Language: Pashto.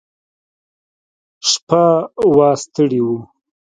شپه وه ستړي وو.